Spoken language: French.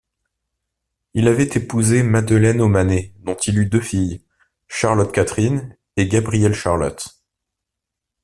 Il avait épousé Madeleine Homanet dont il eut deux filles, Charlotte-Catherine et Gabrielle-Charlotte.